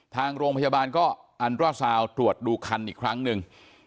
ทางโรงพยาบาลก็อันตราซาวตรวจดูคันอีกครั้งหนึ่ง